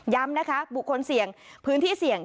นะคะบุคคลเสี่ยงพื้นที่เสี่ยง